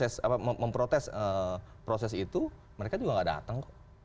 saat kita memproses proses itu mereka juga gak datang